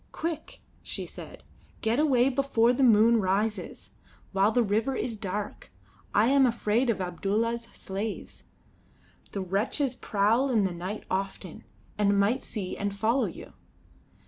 "Quick," she said; "get away before the moon rises, while the river is dark. I am afraid of Abdulla's slaves. The wretches prowl in the night often, and might see and follow you.